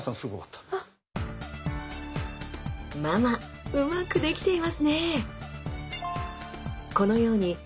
ママうまくできていますね！